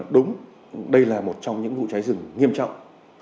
đúng đây là một trong những vụ cháy rừng nghiêm trọng